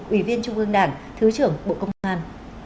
ủy viên trung ương đảng thứ trưởng bộ công an